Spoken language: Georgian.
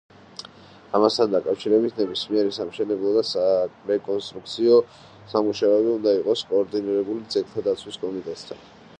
ამასთან დაკავშირებით, ნებისმიერი სამშენებლო და სარეკონსტრუქციო სამუშაოები უნდა იყოს კოორდინირებული ძეგლთა დაცვის კომიტეტთან.